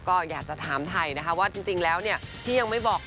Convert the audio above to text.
ก็อยากจะถามไทยนะคะว่าจริงแล้วที่ยังไม่บอก